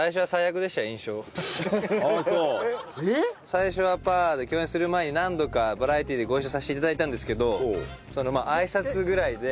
『最初はパー』で共演する前に何度かバラエティでご一緒させて頂いたんですけどあいさつぐらいで。